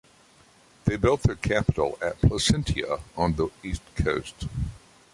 They built their capital at Placentia on the east coast.